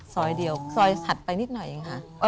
ซอยเดียวซอยถัดไปนิดหน่อยเองค่ะ